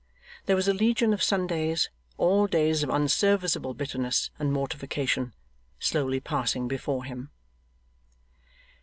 There was a legion of Sundays, all days of unserviceable bitterness and mortification, slowly passing before him.